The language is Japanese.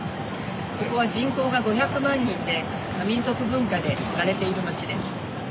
ここは人口が５００万人で多民族文化で知られている街です。